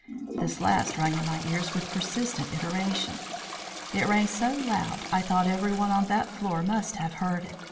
This last rung in my ears with persistent iteration. It rang so loud I thought everyone on that floor must have heard it.